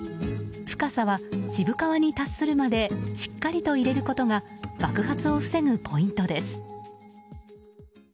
深さは渋皮に達するまでしっかりと入れることが爆発を防ぐポイントです。